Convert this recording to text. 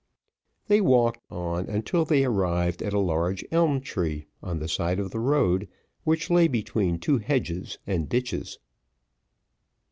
They walked on until they arrived at a large elm tree, on the side of the road, which lay between two hedges and ditches.